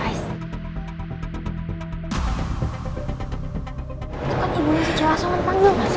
itu kan ibunya si cowok asoan panggil